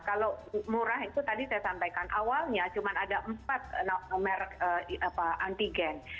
kalau murah itu tadi saya sampaikan awalnya cuma ada empat nomor antigen